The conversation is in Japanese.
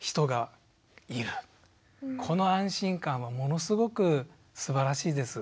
この安心感はものすごくすばらしいです。